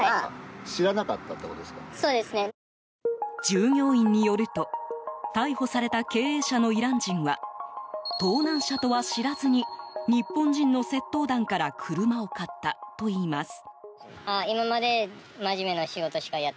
従業員によると逮捕された経営者のイラン人は盗難車とは知らずに日本人の窃盗団から車を買ったといいます。